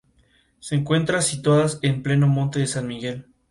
Se encuentran situadas en pleno Monte de San Miguel.